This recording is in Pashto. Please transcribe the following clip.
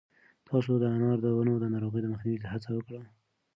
تاسو د انار د ونو د ناروغیو د مخنیوي هڅه وکړئ.